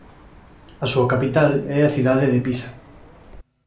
A súa capital é a cidade de Pisa.